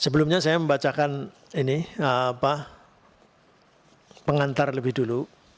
sebelumnya saya membacakan ini pengantar lebih dulu